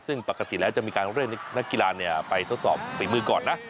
ซึ่งปกติแล้วจะมีการเล่นนักกีฬาเนี่ยไปทดสอบเป็นมือก่อนนะ